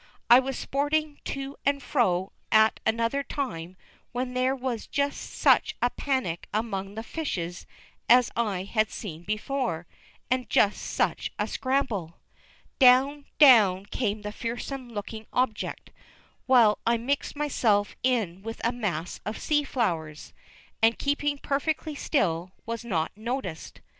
I was sporting to and fro at another time when there was just such a panic among the fishes as I had seen before, and just such a scramble. Down, down came the fearsome looking object, while I mixed myself in with a mass of sea flowers, and keeping perfectly still, was not noticed.